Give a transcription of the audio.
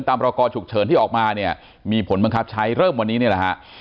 ประกอฉุกเฉินที่ออกมาเนี่ยมีผลบังคับใช้เริ่มวันนี้นี่แหละฮะ